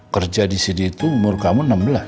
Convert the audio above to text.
kerja disini itu umur kamu enam belas